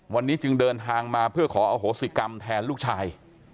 วันนี้จึงเดินทางมาเพื่อขออโหสิกรรมแทนลูกชาย